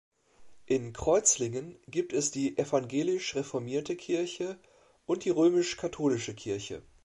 In Kreuzlingen gibt es die Evangelisch-reformierte Kirche und die Römisch-katholische Kirche.